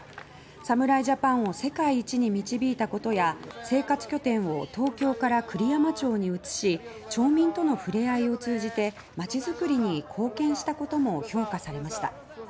侍ジャパンを世界一に導いたことや生活拠点を東京から栗山町に移し町民との触れ合いを通じてまちづくりに貢献したことも評価されました。